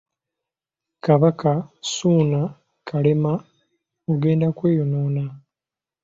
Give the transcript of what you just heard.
Kabaka, Ssuuna, Kalema, Ogenda kweyonoona.